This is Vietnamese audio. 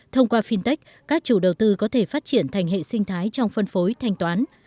thông qua fintech các chủ đầu tư có thể phát triển thành hệ sinh thái trong phân phối thanh toán